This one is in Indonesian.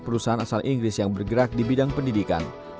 perusahaan asal inggris yang bergerak di bidang pendidikan